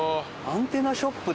アンテナショップ